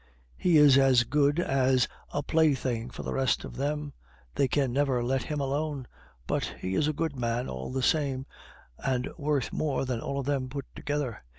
He is as good as a plaything for the rest of them; they can never let him alone; but he is a good man, all the same, and worth more than all of them put together.